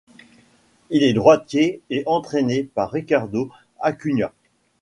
Il est droitier et entraîné par Ricardo Acuña.